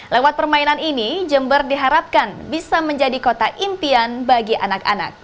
lewat permainan ini jember diharapkan bisa menjadi kota impian bagi anak anak